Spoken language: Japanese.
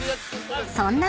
［そんな］